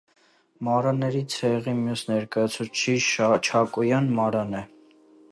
Մարաների ցեղի մյուս ներկայացուցիչի չակոյան մարան է։